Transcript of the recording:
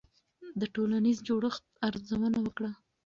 د ټولنیز جوړښت ارزونه وکړه.